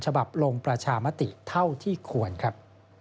ฉบับลงประชามติเท่าที่ควรครับ